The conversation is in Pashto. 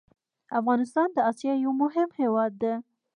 افغانستان د اسيا يو مهم هېواد ده